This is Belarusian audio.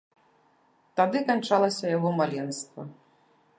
Тады канчалася яго маленства.